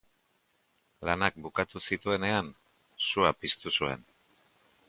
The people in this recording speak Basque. Lanak bukatu zituenean, sua piztu zuen.